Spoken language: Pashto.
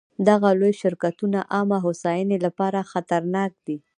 دغه لوی شرکتونه عامه هوساینې لپاره خطرناک دي.